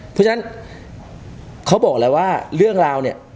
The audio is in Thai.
เพราะฉะนั้นเขาบอกแล้วว่าเรื่องราวเนี่ย